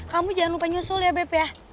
kamu jangan lupa nyusul ya bep ya